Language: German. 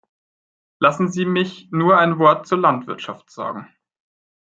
Lassen Sie mich nur ein Wort zur Landwirtschaft sagen.